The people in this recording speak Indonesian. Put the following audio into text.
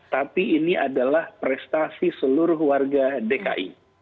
tapi ini adalah prestasi seluruh warga dki